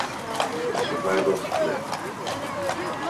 The survivors fled.